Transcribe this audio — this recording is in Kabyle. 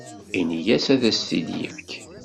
Ini-as ad as-t-id-yefk.